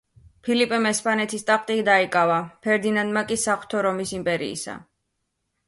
ფილიპემ ესპანეთის ტახტი დაიკავა, ფერდინანდმა კი საღვთო რომის იმპერიისა.